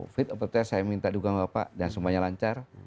fitur perpetensi saya minta dukungan pak dan semuanya lancar